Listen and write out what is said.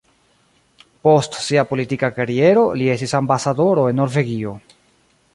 Post sia politika kariero li estis ambasadoro en Norvegio.